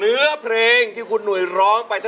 เมื่อสักครู่นี้ถูกต้องทั้งหมด